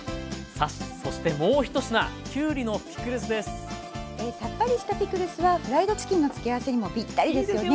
さっぱりしたピクルスはフライドチキンの付け合わせにもぴったりですよね。